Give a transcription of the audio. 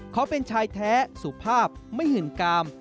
เขาเป็นชายแท้สุภาพไม่หื่นกาม